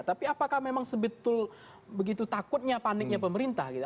tapi apakah memang sebetul begitu takutnya paniknya pemerintah gitu